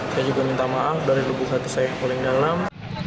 saya juga minta maaf dari lubuk hati saya paling dalam